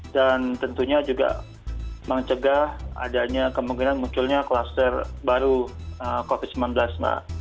dan tentunya juga mencegah adanya kemungkinan munculnya kluster baru covid sembilan belas mbak